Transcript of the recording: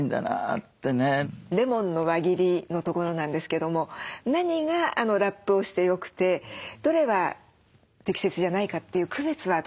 レモンの輪切りのところなんですけども何がラップをしてよくてどれは適切じゃないかっていう区別はどうしたらいいでしょう？